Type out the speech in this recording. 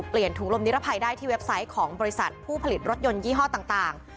ถุงลมนิรภัยได้ที่เว็บไซต์ของบริษัทผู้ผลิตรถยนต์ยี่ห้อต่าง